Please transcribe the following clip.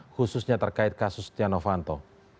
khususnya terkait kasus stiano fanto